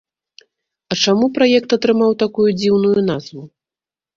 А чаму праект атрымаў такую дзіўную назву?